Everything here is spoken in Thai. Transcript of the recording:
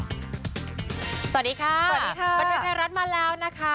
สวัสดีค่ะสวัสดีค่ะบันเทิงไทยรัฐมาแล้วนะคะ